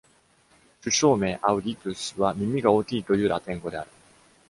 種小名 "auritus" は耳が大きいというラテン語である。